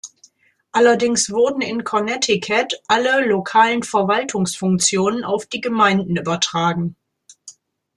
Allerdings wurden in Connecticut alle lokalen Verwaltungsfunktionen auf die Gemeinden übertragen.